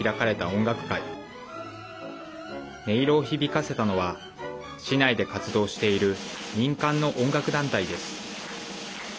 音色を響かせたのは市内で活動している民間の音楽団体です。